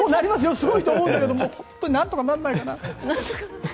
すごいと思うけど本当になんとかならないかな。